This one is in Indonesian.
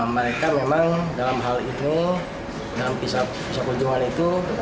mereka memang dalam hal ini dalam pisa kunjungan itu